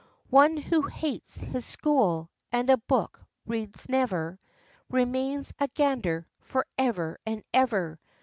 One who hates his school, and a book reads never, Remains a gander forever and ever."